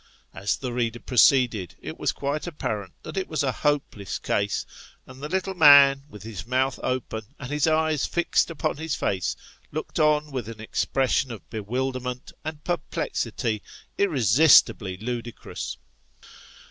As the reader pro ceeded, it was quite apparent that it was a hopeless case, and the little man, with his mouth open and his eyes fixed upon his face, looked on with an expression of bewilderment and perplexity irresistibly ludicrous.